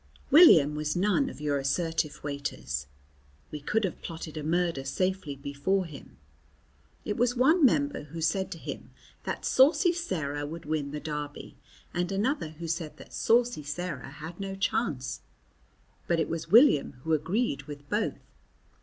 William was none of your assertive waiters. We could have plotted a murder safely before him. It was one member who said to him that Saucy Sarah would win the Derby and another who said that Saucy Sarah had no chance, but it was William who agreed with both.